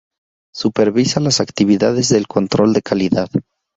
Supervisa las actividades del control de calidad.